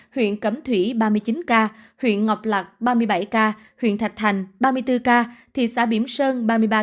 huyện cẩm thủy huyện ngọc lạc huyện thạch thành thị xã biểm sơn